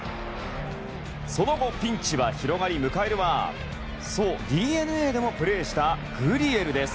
その後、ピンチは広がり迎えるはそう、ＤｅＮＡでもプレーしたグリエルです。